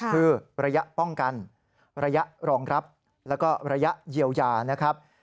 คือระยะป้องกันระยะรองรับแล้วก็ระยะเยียวยานะครับ